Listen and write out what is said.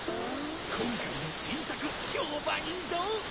今回の新作評判いいぞ！